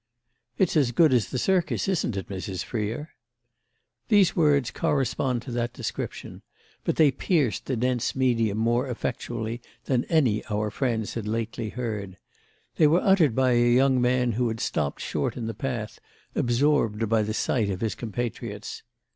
"It's as good as the circus, isn't it, Mrs. Freer?" These words correspond to that description, but they pierced the dense medium more effectually than any our friends had lately heard. They were uttered by a young man who had stopped short in the path, absorbed by the sight of his compatriots.